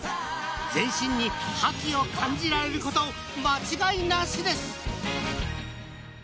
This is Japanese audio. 全身に覇気を感じられること間違いなしです！